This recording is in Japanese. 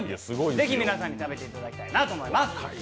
ぜひ皆さんに食べていただきたいなと思います。